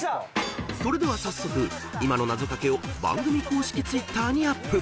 ［それでは早速今のなぞかけを番組公式Ｔｗｉｔｔｅｒにアップ］